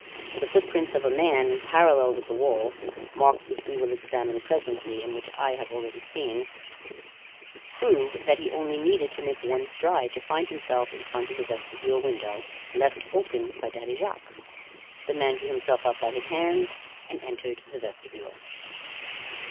The footprints of a man, parallel with the wall marks which we will examine presently, and which I have already seen prove that he only needed to make one stride to find himself in front of the vestibule window, left open by Daddy Jacques. The man drew himself up by his hands and entered the vestibule."